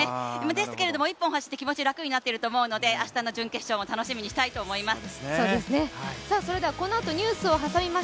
ですけれども、１本走って気持ちが楽になっていると思いますので、明日の準決勝も楽しみにしたいと思います。